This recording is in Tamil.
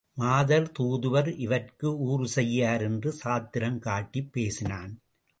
மாதர், தூதுவர் இவர்க்கு ஊறு செய்யார் என்று சாத்திரம் காட்டிப் பேசினான்.